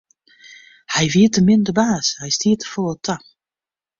Hy wie te min de baas, hy stie te folle ta.